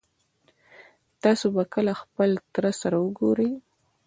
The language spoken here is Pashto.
تاسو به کله خپل تره سره وګورئ